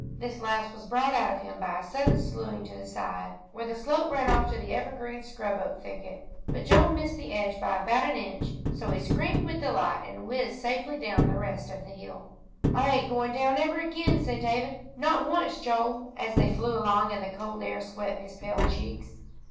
This last was brought out of him by a sudden slewing to the side, where the slope ran off to the evergreen, scrub oak thicket; but Joel missed the edge by about an inch, so he screamed with delight, and whizzed safely down the rest of the hill. "I ain't going down ever again," said David, "not once, Joel," as they flew along and the cold air swept his pale cheeks.